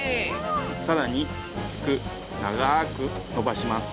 更に薄く長くのばします。